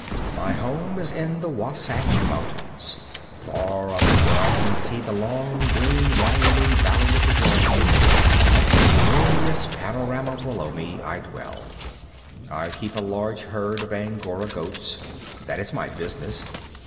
My home is in the Wasatch Mountains. Far up, where I can see the long, green, winding valley of the Jordan, like a glorious panorama below me, I dwell. I keep a large herd of Angora goats. That is my business.